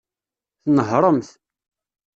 Tnehṛemt.